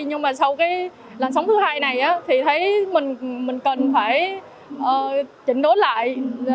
nhưng mà sau cái lần sống thứ hai này thì thấy mình cần phải trịnh đối lại